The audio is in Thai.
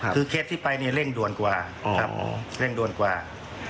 คือเคสที่ไปเร่งด่วนกว่าครับ